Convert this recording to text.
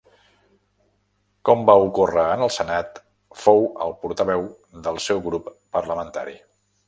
Com va ocórrer en el Senat, fou el portaveu del seu grup parlamentari.